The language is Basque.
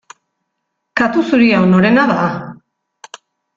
Katu zuri hau norena da?